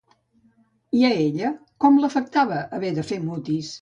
I a ella com l'afectava haver de fer mutis?